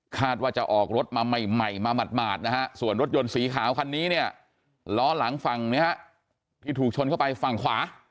ว่าจะออกรถมาใหม่มาหมาดนะฮะส่วนรถยนต์สีขาวคันนี้เนี่ยล้อหลังฝั่งเนี่ยฮะที่ถูกชนเข้าไปฝั่งขวา